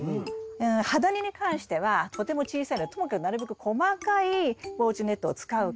ハダニに関してはとても小さいのでともかくなるべく細かい防虫ネットを使う。